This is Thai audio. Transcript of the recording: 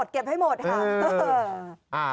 เก็บให้หมดค่ะ